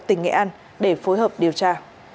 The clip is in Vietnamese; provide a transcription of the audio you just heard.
tỉnh nghệ an để phối hợp điều tra